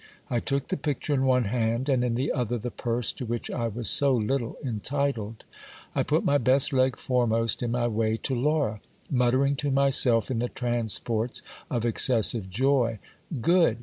I took the pic ture in one hand, and in the other the purse to which I was so little entitled. I put my best leg foremost in my way to Laura, muttering to myself in the transports of excessive joy : Good